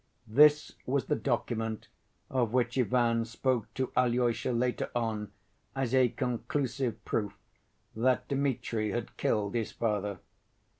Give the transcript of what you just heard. This was the document of which Ivan spoke to Alyosha later on as a "conclusive proof" that Dmitri had killed his father.